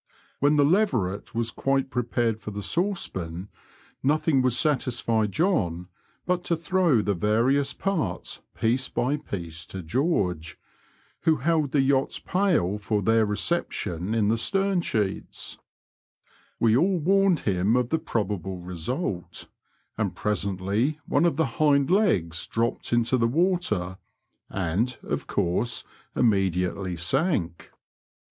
When the leveret was quite pie pared for the saucepan, nothing would satisfy John but to throw Digitized by VjOOQIC AOLE TO WBOXHAM BBIDOE. 119 the yarioos parts piece by piece to Qeorge, who held the yacht's pail for their reception in the stem sheets. We all warned him of the probable result, and presently one of the hind legs dropped into the water, and, of coarse, immediately sank.